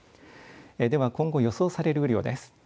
では今後予想される雨量です。